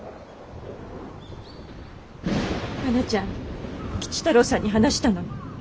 はなちゃん吉太郎さんに話したのね。